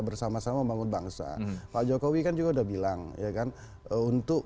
bersama sama membangun bangsa pak jokowi kan juga udah bilang ya kan untuk